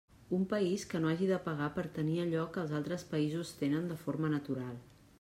Un país que no hagi de pagar per tenir allò que els altres països tenen de forma natural.